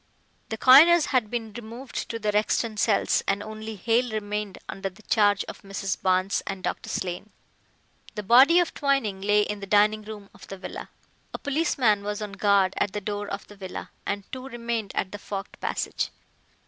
The coiners had been removed to the Rexton cells, and only Hale remained under the charge of Mrs. Barnes and Dr. Slane. The body of Twining lay in the dining room of the villa. A policeman was on guard at the door of the villa, and two remained at the forked passage.